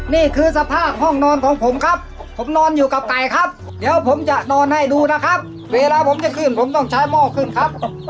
นี่คือสภาพห้องนอนของผมครับผมนอนอยู่กับไก่ครับเดี๋ยวผมจะนอนให้ดูนะครับเวลาผมจะขึ้นผมต้องใช้หม้อขึ้นครับ